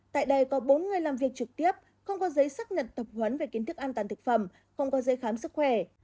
tại đây có bốn người làm việc trực tiếp không có giấy xác nhận tập huấn về kiến thức an toàn thực phẩm không có giấy khám sức khỏe